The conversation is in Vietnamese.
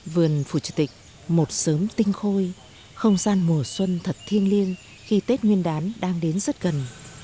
vườn phủ chủ tịch một sớm tinh khôi không gian mùa xuân thật thiêng liêng khi tết nguyên đán đang đến rất gần